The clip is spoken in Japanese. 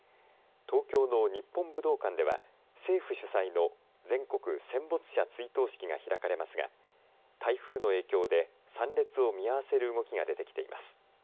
東京の日本武道館では政府主催の全国戦没者追悼式が開かれますが台風の影響で参列を見合わせる動きが出てきています。